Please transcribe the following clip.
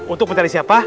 untuk mencari siapa